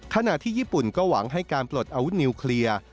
ขณะที่ญี่ปุ่นก็หวังให้การปลดอาวุธนิวเคลียร์